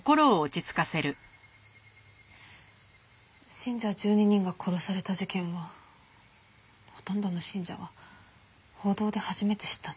信者１２人が殺された事件をほとんどの信者は報道で初めて知ったんです。